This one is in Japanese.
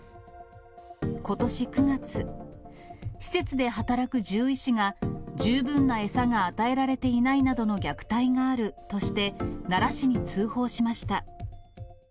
ことし９月、施設で働く獣医師が、十分な餌が与えられていないなどの虐待があるとして、奈良市に通報しました。